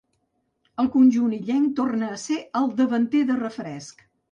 Al conjunt illenc torna a ser el davanter de refresc.